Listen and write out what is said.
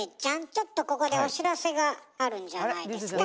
ちょっとここでお知らせがあるんじゃないですか？